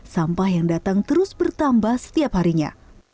sampah yang datang terus bertambah setiap harinya